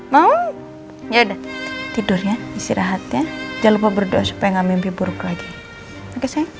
mau yaudah tidur ya istirahat ya jangan lupa berdoa supaya nggak mimpi buruk lagi oke sayang